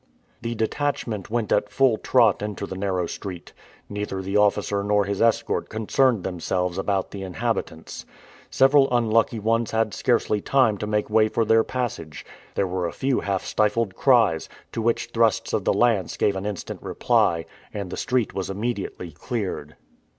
The detachment went at full trot into the narrow street. Neither the officer nor his escort concerned themselves about the inhabitants. Several unlucky ones had scarcely time to make way for their passage. There were a few half stifled cries, to which thrusts of the lance gave an instant reply, and the street was immediately cleared.